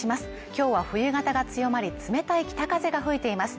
きょうは冬型が強まり冷たい北風が吹いています